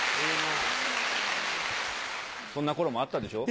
そんな頃もあったでしょう。